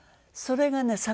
それがね